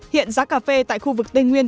hiện giá cà phê tại khu vực tây nguyên